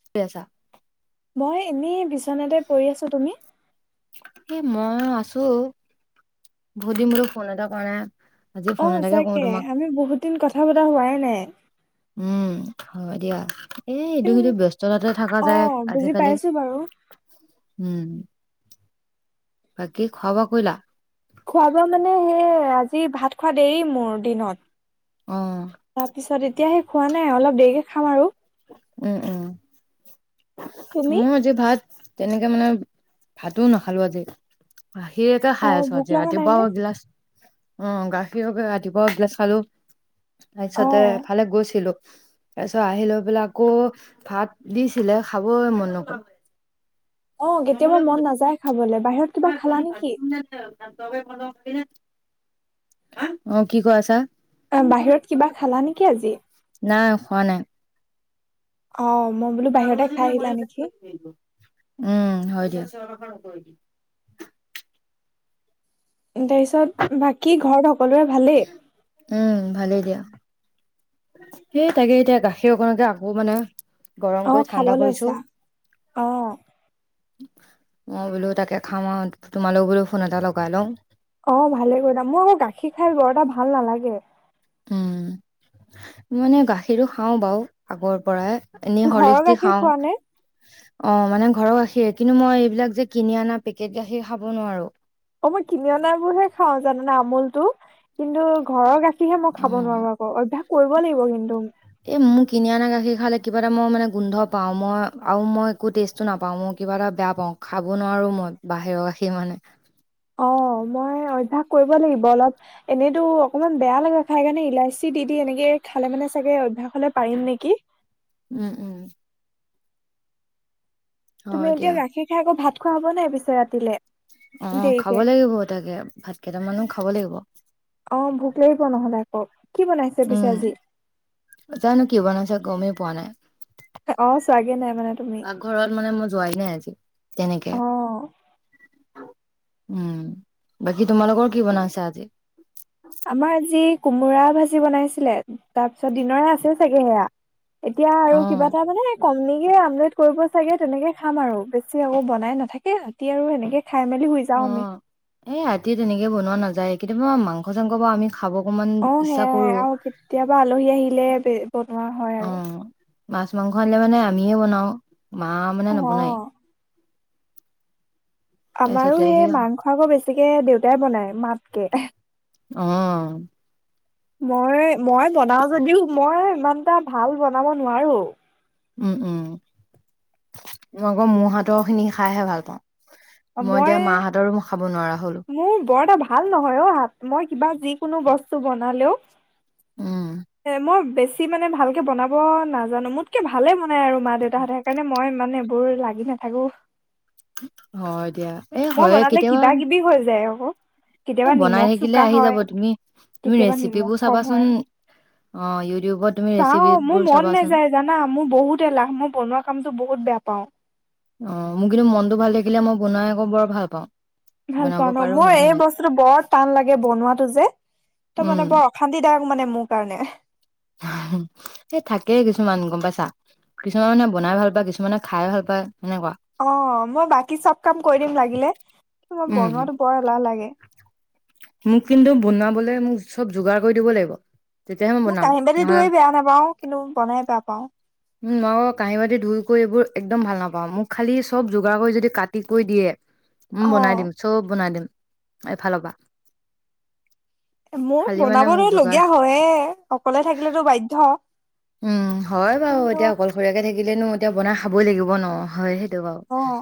কি কৰি আছা? মই এনেই বিচনাতে পৰি আছো। তুমি? এ মই আছো বহুত দিন বোলো ফোন এটা কৰা নাই। আজি অ ফোন এটাকে কৰো সঁচাকে তোমাক। আমি বহুত দিন কথা পতা হোৱাই নাই উম হয় দিয়া। এই ইটো উম, সিটো ব্যস্ততাতে থকা অ যায় বুজি আজিকালি পাইছো বাৰু। উম বাকী খোৱা বোৱা কৰিলা খোৱা বোৱা মানে সেই আজি ভাত খোৱা দেৰি মোৰ দিনত। অ তাৰপিছত এতিয়া সেই খোৱা নাই অলপ দেৰিকে খাম আৰু। উম উম তুমি? মই যে ভাত তেনেকে মানে ভাতোও নাখালো আজি গাখীৰকে অ খাই আছোঁ ভোক আজি লগা নাই ৰাতিপুৱাও নে? এগিলাচ অ গাখীৰকে ৰাতিপুৱাও এগিলাছ খালো তাৰ অ পিছতে এফালে গৈছিলো। তাৰপিছত আহি লৈ পেলাই আকৌ ভাত দিছিলে খাবই মন নগল অ কেতিয়াবা মন নাযায় খাবলৈ বাহিৰত কিবা খালা নেকি? অ কি কৈ আছা অ বাহিৰত কিবা খালা নেকি আজি? নাই খোৱা নাই। অ মই বোলো বাহিৰতে খাই আহিলা নেকি? উম হয় দিয়ক [unintelligible] তাৰপিছত বাকী ঘৰত সকলোৰে ভালেই উম ভালেই দিয়া সেই তাকে এতিয়া গাখীৰ অকণকে আকৌ মানে অ গৰমকৈ খাব ঠাণ্ডা কৰিছো। লৈছা অ। মই বোলো তাকে খাম আৰু তোমালোক বোলো ফোন এটা লগাই লওঁ। অ ভালে কৰি দাম মই আকৌ গাখীৰ খাই বৰ এটা ভাল নালাগে। উম মানে গাখীৰো খাও বাৰু আগৰ পৰাই। এনেই ঘৰৰ সৰলিস্কদি গাখীৰ খাও খোৱা নে অ মানে ঘৰ গাখী সে কিন্তু মই এইবিলাক যে কিনি অনা পেকেট গাখীৰ খাব নোৱাৰোঁ। অ মই কিনি অনাবোৰ হে খাও জানানে আমুল টো কিন্তু ঘৰৰ গাখী কিহে মই অ খাব নোৱাৰো আকৌ অভ্যাস কৰিব লাগিব কিন্তু। এ মোৰ কিনি আনা গাখীৰ খালে কিবা এটা মই মানে গোন্ধ পাও মই আৰু মই একো টেষ্টো নাপাও মোৰ কিবা এটা বেয়া পাওঁ খাব নোৱাৰো মই বাহিৰৰ কাষি মানে অ মই অভ্যাস কৰিব লাগিব অলপ এনেইতো অকমান বেয়া লগে খাই কাৰণে ইলাচি দি দি এনেকে খালে মানে চাগে অভ্যাসলে পাৰিম নেকি উম উম তুমি হয় দিয়া এতিয়া গাখীৰ খাই আকৌ ভাত খোৱা হব নাই পিছে ৰাতিলে অ খাব দেৰিকে লাগিব তাকে ভাত কেইটামানো খাব লাগিব। অ ভোক লাগিব নহ'লে আকৌ। কি বনাইছে পিছে উম আজি জানানো কি বনাইছে গমেই পোৱা নাই? অ চাগে পাকঘৰত মানে মই যোৱাই নাই আজি তেনেকে। অ উম বাকী তোমালোকৰ কি বনাইছা আজি? আমাৰ যি কোমোৰা ভাজি বনাইছিলে তাৰপিছত দিনৰে আছে চাগে সেয়া। এতিয়া আৰু কিবা অ', এটা মানে কনিকে আমলেট কৰিব চাগে তেনেকৈ খাম আৰু বেছি আকৌ বনাই নাথাকে ৰাতি আৰু সেনেকে খাই মেলি শুই যাওঁ অ আমি এই ৰাতি তেনেকে বনোৱা নাযায় কেতিয়াবা মাংস চাংস বা আমি খাব অকমান অ ইচ্ছা সেয়াই কৰো আৰু কেতিয়াবা আলহী আহিলে বনোৱা হয় আৰু অ', মাছ- মাংস আনিলে মানে আমিয়ে বনাও মা মানে অ নবনায়। আমাৰো তাৰপিছতে সেই অ', মাংস আকৌ বেছিকে দেউতাই বনাই মাতকে। আহ মই মই বনাও যদিও মই ইমান এটা ভাল বনাব নোৱাৰো। উম মই আকৌ মো হাতৰ খিনি খাইহে ভাল পাওঁ অ মই এতিয়া মা হাতৰো খাব নোৱাৰা হ'লো মোৰ বৰ এটা ভাল নহয় অ হাত মই কিবা যি কোনো বস্তু বনালেও উম। মই বেছি মানে ভালকে বনাব নাজানো মোতকে ভালে বনাই আৰু মা দেউতাহঁতে সেইকাৰণে মই মানে বোৰ লাগি নাথাকো। হয় দিয়া এ মই হয়ে বনালে কেতিয়াবা কিবা কিবি হৈ যায় আকৌ এ কেতিয়াবা বনাই নিমখ থাকিলে চোকা আহি যাব হয়, তুমি তুমি কেতিয়াবা নিমখ ৰেচিপিবোৰ কম চাবাচোন হয়। অ ইউটিউবত তুমি চাও মোৰ ৰেচিপিবোৰ মন চাবাচোন নেযায় জানা মোৰ বহুত এলাহ মই বনোৱা কামতো বহুত বেয়া পাওঁ অ মোৰ কিন্তু মনটো ভাল থাকিলে মই বনাই আকৌ বৰ ভাল পাওঁ। ভাল বনাব পোৱা ন পাৰো মোৰ মই এই ধুনীয়াকে বস্তুটো বৰ টান লাগে বনোৱাটো যে তো উম মানে বৰ অশান্তিদায়ক মানে মোৰ কাৰণে। হ হ সে থাকেই কিছুমান গম পাইছা কিছুমান মে বনাই ভাল পায় কিছুমানে খাই ভাল পায়। সেনেকুৱা অ মই বাকী চব কাম কৰি দিম লাগিলে কিন্তু মই উম বনোৱাটো বৰ এলাহ লাগে। মোক কিন্তু বনাবলৈ মোক চব যোগাৰ কৰি দিব লাগিব। তেতিয়াহে মই মোক বনাম কাহি বাতি নহলে ধুই বেয়া নাপাওঁ কিন্তু বনাই বেয়া পাওঁ। উম মই আকৌ কাঁহী বাতি ধুই কৈ এইবোৰ একদম ভাল নাপাওঁ মোক খালি চব যোগাৰ কৰি যদি কাটি কৰি দিয়ে উম, বনাই অ দিম চব বনাই দিম এফালৰ পা মোৰ বনাবতো লগীয়া হয়ে অকলে থাকিলেতো বাধ্য। উম, হয় বাৰু কিন্তু এতিয়া অকলশৰীয়াকে থাকিলেনো এতিয়া বনাই খাবই লাগিব ন' হয় বাৰু অহ,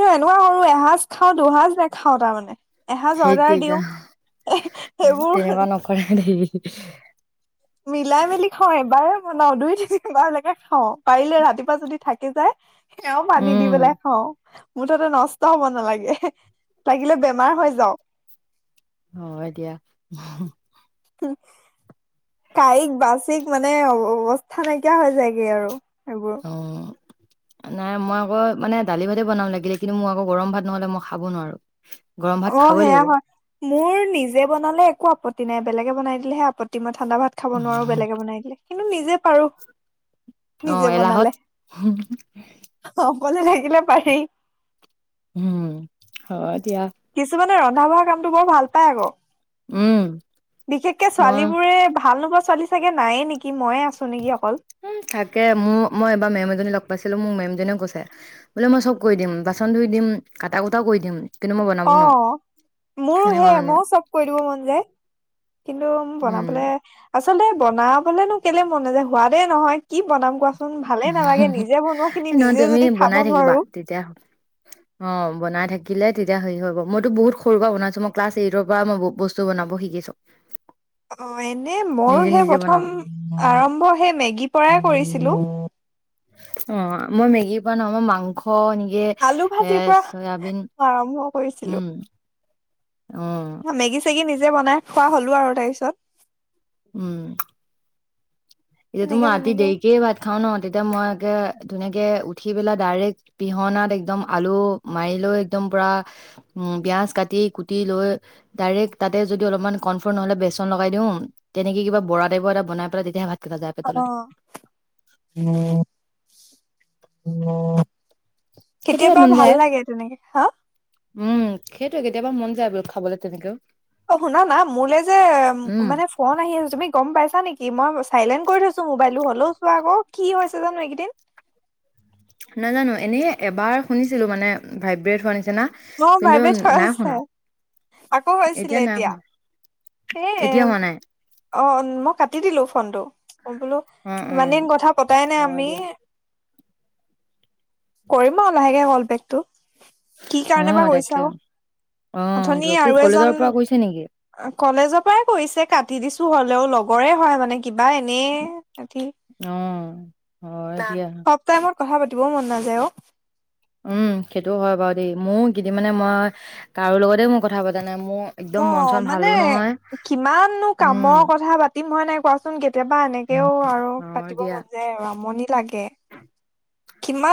হে এনেকুৱা কৰু এসাঁজ খাও দুহাঁজ নেখাওঁ তাৰমানে। এসাঁজ সেই অৰ্ডাৰ দিওঁ তেৰিকা সেইবোৰ তেনেকুৱা নকৰে দেই। মিলাই মেলি খাওঁ এবাৰেই বনাও দুই তিনিবাৰলৈকে খাওঁ পাৰিলে ৰাতিপুৱা যদি থাকি যায় সেয়াও পানী দি উম, পেলাই খাওঁ। মুঠতে নষ্ট হব নালাগে লাগিলে বেমাৰ হৈ যাওঁ‌। হয় দিয়া। কাইট বাচিক মানে অৱস্থা নাইকিয়া হৈ যায়গে আৰু। এইবোৰ অহ নাই মই আকৌ মানে দালি ভাজি বনাম লাগিলে কিন্তু মই আকৌ গৰম ভাত নহ'লে মই খাব নোৱাৰো। গৰম ভাত অহ, খাবই সেয়া লাগিব হয় মোৰ নিজে বনালে একো আপত্তি নাই। বেলেগে বনাই দিলেহে আপত্তি মত ঠাণ্ডা ভাত খাব নোৱাৰো বেলেগে বনাই দিলে কিন্তু নিজে পাৰো। অহ, নিজে এলাহত। বনালে হুম অকলে থাকিলে পাৰি উম, হয় দিয়া। ৰন্ধা-বঢ়া কামটো বৰ ভাল পাই আকৌ উম, বিশেষকে মই ছোৱালীবোৰে ভাল নোপোৱা ছোৱালী চাগে নায়ে নেকি মইয়ে আছো নেকি অকল এই থাকে মোৰ মই এবাৰ মেম এজনী লগ পাইছিলো [unintelligible] মোৰ মেমজনে কৈছে বোলে মই চব কৰি দিম বাচন ধুই দিম, কাটা- কুটাও কৰি দিম কিন্তু মই বনাব নোৱাৰো অ', মোৰো সেনেকুৱা হেয়ে মানে মইও চব কৰি দিব মন যায়। কিন্তু উম বনাবলে আচ আচলতে বনাবলে কেলে মন নযায় সোৱাদে নহয় কি বনাম কোৱা। চোন ভালে নালাগে নিজে বনোৱা খিনি এ নহয় নিজে যদি খাব নোৱাৰো অহ, বনাই থাকিলে তেতিয়া হেৰি হব মইতো বহুত সৰুৰ পৰা বনাইছো মই ক্লাছ এইটৰ পৰা মই বস্তু বনাব শিকিছো। অহ, এনে ময়ো নিজে সেই নিজে বনাও প্ৰথম আৰম্ভ সেই মেগীৰ পৰাই কৰিছিলো। অহ, মই মেগী পৰা নহয় মই মাংস নি আলু- ভাজিৰ পৰা আৰম্ভ কৰিছিলো। উম অ মেগী-চেগি নিজে বনাই খোৱা হলো আৰু তাছত। উম এতিয়া তো তেনেকে মই ৰাতি তেনেকে দেৰিকে ভাত খাও ন' তেতিয়া মই কে ধুনীয়াকে উঠি পেলাই ডাইৰেক্ট পিহনাত একদম আলু মাৰিলৈ একদম পুৰা পিয়াজ কাটি -কুটি লৈ ডাইৰেক্ট তাতে যদি অলপমান কনফৰ্ম নহ'লে বেচন লগাই দিওঁ- তেনেকে কিবা বৰা টাইপৰ এটা বাই পেলাই তেতিয়াহে ভাত কেইটা যায় পেটলে অহ কেতিয়াবা মন ভাল যায়। লাগে তেনেকে হা সেটোৱে কেতিয়াবা মন যায় গৈ খাবলে তেনেকে অহ শুনা না মোলৈ যে উম মানে ফোন আহি আছে তুমি গম পাইছা নেকি? কি মই চাইলেণ্ট কৰি থৈছো মোবাইলটো হ'লেও চোৱা আকৌ কি হৈছে জানো এইকেইদিন। নাজানো এনে এবাৰ শুনিছিলো মানে। ভাইব্ৰেণ্ট হোৱা নিচি জানা অ ভাইব্ৰেট কিন্তু নাই। হৈছে শুনা আকৌ হৈছিলে এতিয়া নাই হোৱা এতিয়া হোৱা নাই। অহ, মই কাটি দিলো ফোনটো। মই বোলো অ অ ইমান দিন কথা পতাই নাই অ আমি। দিয়া কৰিম আৰু লাহেকে কল বেকটো কি অ কাৰণে বা কৈছা তাকে আও অ সেইটো অথনি আকৌ আৰু কলেজৰ এজন পৰা কৈছে নেকি কলেজৰ পৰাই কৰিছে কাটি দিছো হ'লেও লগ গৰে হয় মানে কিবা এনেব অ হয় দিয়া টাইমত কথা পাতিবও মন নাযায় অ উম সেইটো হয় বাৰু দেই। মোৰ কিদ মানে মই কাৰো লগতে মোৰ কথা পতা নাই। মোৰ একদম অ মন চন মানে ভালো নহয় কিমাননো উম কামৰ কথা পাতিম হয় নাই কোৱাচোন কেতিয়াবা এনে তেও আৰু অ পাতিব দিয়া মন যায় আৰু আমনিত লাগে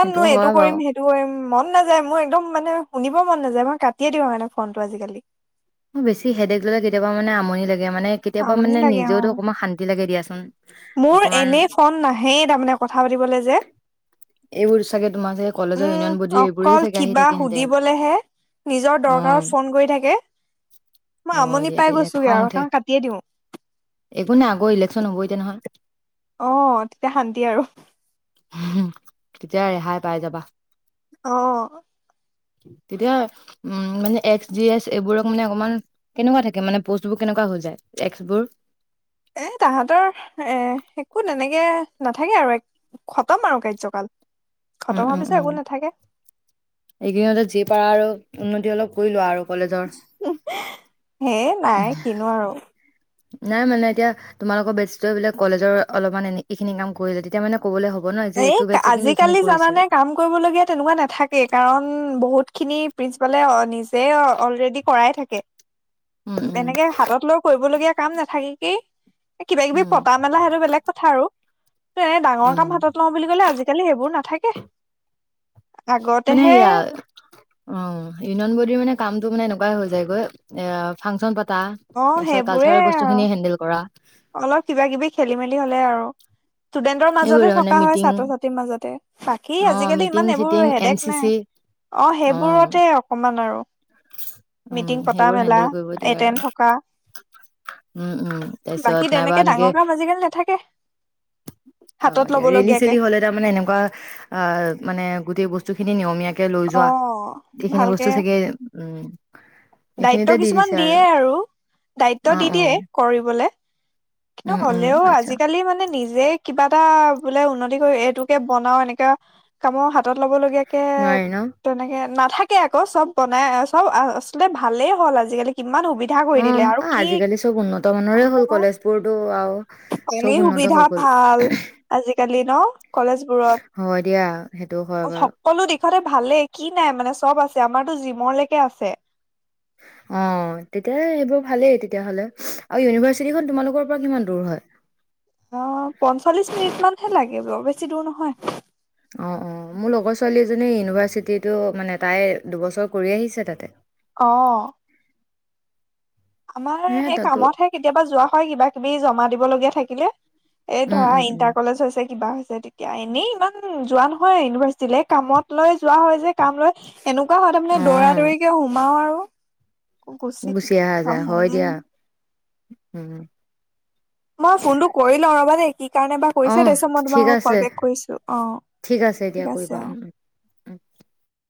সেইটো এইটো হয় বাৰু কৰিম সেইটো কৰিম মন মন নাযায় মোৰ একদম মানে শুনিব মন নাযায় মই কাটিয়ে দিওঁ মানে ফোনটো আজিকালি ম বেছি [unintelligible] কেতিয়াবা মান আমনি লাগে মানে কেতিয়াবা আমনি মানে লাগে অ নিজেওতো অকমান শান্তি লাগে দিয়াচোন মোৰ অকমান এনেই ফোন নাহেই তাৰমানে কথা পাতিবলৈ যে এইবোৰ চাগে তোমাৰ চাগে কলেজৰ উম ইউনিয়ন বডি এইবোৰেই অকল চাগে আহি কিবা থাকে এনি টাইম সুধিবলেহে নিজৰ অ দৰকাৰত ফোন কৰি থাকে মই অ আমনি দিয়া পাই তেতিয়া গৈছোগে খং আৰু উঠে সেইকাৰণে কাট- একো নে আগৰ ইলেকশ্যন হ'ব এতিয়া নহয় আহ তেতিয়া শান্তি আৰু তেতিয়া ৰেহাই পাই যাবা অ তেতিয়া উম মানে এক্স জি এচ এইবোৰক মানে অকমান কেনেকুৱা থাকে মানে পষ্টবোৰ কেনেকুৱা হৈ যায় টেক্স বোৰ এ তাহাঁতৰ এ একো তেনেকে নাথাকে আৰু এক খতম আৰু কাৰ্যকাল। উম খতম হোৱাৰ উম পিছত একো উম নাথাকে, এইখিনিতে যি পাৰা আৰু উন্নতি অলপ কৰি লোৱা আৰু কলেজৰ সেইয় নাই কিনো আৰু নাই মানে এতিয়া তোমালোকৰ বেতছ টোৱে বোলে কলেজৰ অলপমান এইখিনি কাম কৰিলে তেতিয়া মানে ক'বলৈ হ'ব ন যে এই এইটো বেটছে কিন্তু এইখিনি আজিকালি কৰিছিল জানানে কাম কৰিবলগীয়া তেনেকুৱা নাথাকেই। কাৰণ বহুত খিনি প্ৰিন্সিপালে নিজে অলৰেডি কৰাই থাকে উম উম এনেকে হাতত লৈ কৰিবলগীয়া কাম নাথাকিকেই কিবা কিবি উম পতা মেলা সেইটো বেলেগ কথা আৰু। ত এনে ডাঙৰ কাম উম হাতত লওঁ বুলি কলে আজিকালি সেইবোৰ নাথাকে মানে আগতেহে সেয়া অ ইউনিয়ন বৰ্ডিৰ মানে কামটো মানে এনেক াই হৈ যায়গৈ এ ফাংচন পতা তাৰ অ পিছত সেইবোৰে কালচাৰেল বস্তু খিনি হেন্দেল কৰা। অলপ কিবা কিবি খেলি মেলি হলে আৰু ষ্টুডেন্টৰ মাজতে সেইবোৰে মানে থকা হয় মিটিং ছাত্ৰ ছাত্ৰ মাজতে বাকী অ আজিকালি মিটিং ইমান এইবোৰ চিটিং এন হেদেক চি নাই চি অ অ', সেইবোৰতে অকমান আৰু। মিটিং উম পতা সেইবোৰ মেলা হেন্দেল কৰিব দিয়ে এটেণ্ড থকা আৰু উম উম ত বাকী তেনেকে ডাঙৰ কাম আজিকালি নাথাকে হাতত হয় দিয়া। ল'ব ৰেলি লগীয়াকে চেলি হলে তাৰ মানে এনেকুৱা আহ মানে গোটেই বস্তু বস্তু খিনি নিয়মীয়াকে লৈ অ যোৱা সেইখিনি বস্তু ভালকে চাগে উম দায়িত্ব এইখিনিতে দি কিছুমান দিছে দিয়ে আৰু দায়িত্ব অ', দি দিয়ে অ', কৰিবলে কিন্তু উম, উম, হ'লেও আচ্ছা আজিকালি মানে নিজে কিবা এটা বোলে এইটোকে বনাও এনেকাে কামৰ হাতত লব লগীয়া কে নোৱাৰি ন? তেনেকে ন থাকে আকৌ চব বনাই চব আচলতে ভালেই হ'ল আজিকালি কিমান সুবিধা কৰি অ', দিলে আৰু আ, কি আজিকালি চব উন্নত অ মানৰে হ'ল কলেজবোৰতো আৰু চব পানীৰ উন্নত হৈ সুবিধা গ'ল ভাল আজিকালি ন? কলেজ বোৰত, হয় দিয়া সেইটো হয় বাৰু সকলো দেখাতে ভালে কি নাই মানে চব আছে। আমাৰতো জিমৰলৈকে আছে। হয় অ তেতিয়া সেইবোৰ ভালেই তেতিয়াহ'লে আৰু ইউনিভাৰ্চিটিখন তোমালোকৰ পৰা কিমান দূৰ হয় অ পঞ্চল্লিশ মিনিট মানহে লাগে বেছি দূৰ নহয় অ অ মোৰ লগৰ ছোৱালী এজনী ইউনিভাৰ্চিটিটো মানে তাই দুবছৰ কৰি আহিছে তাতে অ আমাৰ হে সেই তাতো কামতহে কেতিয়াবা যোৱা হয় কিবা কিবি জমা দিব লগীয়া থাকিলে। এ, উম, ধৰা উম, উম, ইণ্টাৰ কলেজ হৈছে কিবা হৈছে। তেতিয়া এনেই ইমান যোৱা নহয় ইউনিভাৰ্চিটিলে কামত লৈ যোৱা হয় যে কাম লৈ এনেকুৱা হয় তাৰমানে অ', দৌৰা-দৌৰিকে সোমাও আৰু গুচি আহো হয়, দিয়া। উম মই ফোন টো কৰি লও ৰবা দেই। কি, কাৰণে বা কৰিছে, অ', তাৰপিছত মই ঠিক তোমাৰ কল আছে, বেক কৰিছো। অ, ঠিক আছে অ। আ।